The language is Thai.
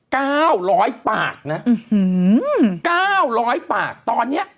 เก้าร้อยปากนะอื้อหือเก้าร้อยปากตอนเนี้ย